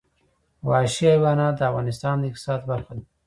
وحشي حیوانات د افغانستان د اقتصاد برخه ده.